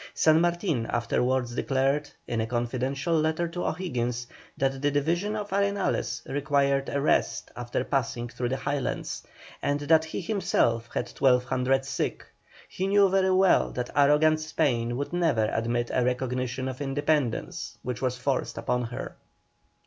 San Martin afterwards declared, in a confidential letter to O'Higgins, that the division of Arenales required a rest after passing through the Highlands, and that he himself had twelve hundred sick. He knew very well that arrogant Spain would never admit a recognition of independence which was forced upon her.